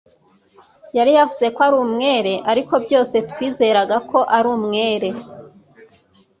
yavuze ko ari umwere, ariko byose twizeraga ko ari umwere